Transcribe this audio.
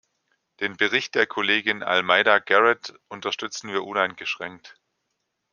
Den Bericht der Kollegin Almeida Garrett unterstützen wir uneingeschränkt.